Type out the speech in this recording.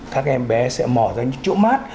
các em bé sẽ mỏ ra những chỗ mát